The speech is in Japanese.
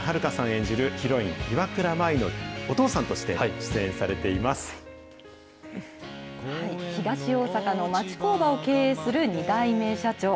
演じるヒロイン、岩倉舞のお父さんとして出演されてい東大阪の町工場を経営する２代目社長。